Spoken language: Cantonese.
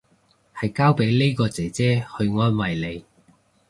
係交俾呢個姐姐去安慰你